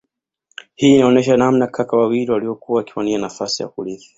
Hii inaonesha namna kaka wawili waliokuwa wakiwania nafasi ya kurithi